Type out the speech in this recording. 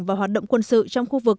và hoạt động quân sự trong khu vực